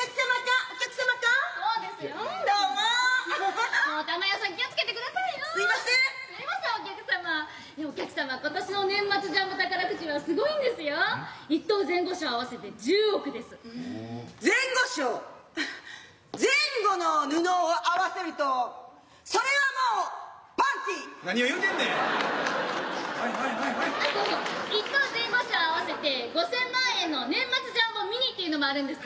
あと１等・前後賞を合わせて５、０００万円の年末ジャンボミニっていうのもあるんです。